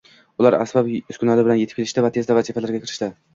Ular asbob-uskunalari bilan etib kelishdi va tezda vazifasiga kirishdi